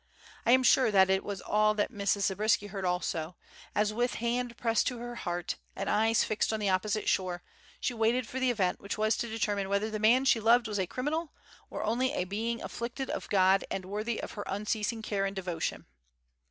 And I am sure it was all that Mrs. Zabriskie heard also, as with hand pressed to her heart, and eyes fixed on the opposite shore, she waited for the event which was to determine whether the man she loved was a criminal or only a being afflicted of God and worthy of her unceasing care and devotion.